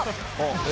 え？